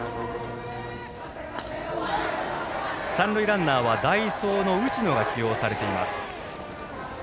三塁ランナーは代走の打野が起用されています。